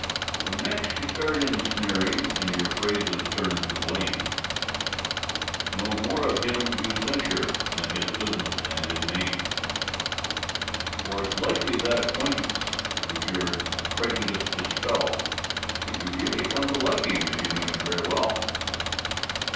When next you start in sneering and your phrases turn to blame, Know more of him you censure than his business and his name; For it's likely that acquaintance would your prejudice dispel And you'd really come to like him if you knew him very well.